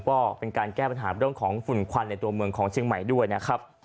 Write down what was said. ก็เป็นการแก้ปัญหาเรื่องของฝุ่นควันในตัวเมืองของเชียงใหม่ด้วยนะครับ